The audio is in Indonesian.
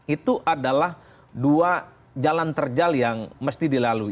itu adalah dua jalan terjal yang mesti dilalui